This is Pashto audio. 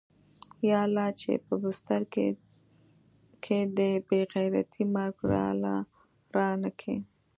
يا الله چې په بستر کې د بې غيرتۍ مرگ راله رانه کې.